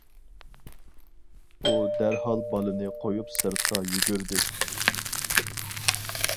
ئۇ دەرھال بالىنى قويۇپ سىرتقا يۈگۈردى.